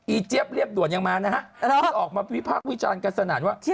อีเจฟเรียบด่วนยังมานะฮะออกมาวิพักวิจารณ์กันสนานว่า